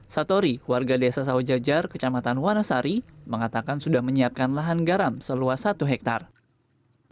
satori warga desa sawo jajar kecamatan wanasari mengatakan sudah menyiapkan lahan garam seluas satu hektare